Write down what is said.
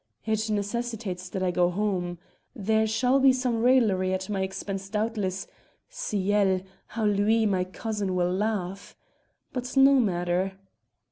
It necessitates that I go home. There shall be some raillery at my expense doubtless Ciel! how Louis my cousin will laugh! but no matter."